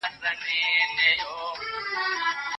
شاعر له سپوږمۍ څخه هیله کوي چې د ده راز پټ وساتي.